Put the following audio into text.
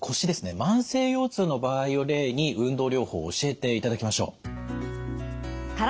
慢性腰痛の場合を例に運動療法を教えていただきましょう。